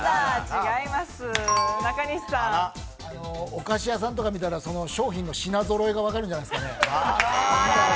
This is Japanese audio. お菓子屋さんとか見たら、商品の品揃えが分かるんじゃないですかね。